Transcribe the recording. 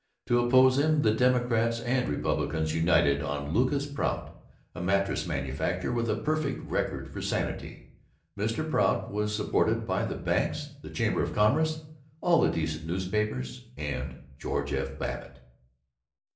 To oppose him the Democrats and Republicans united on Lucas Prout, a mattress manufacturer with a perfect record for sanity. Mr. Prout was supported by the banks, the Chamber of Commerce, all the decent newspapers, and George F. Babbitt.